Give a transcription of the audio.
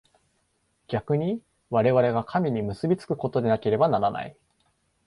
逆に我々が神に結び附くことでなければならない。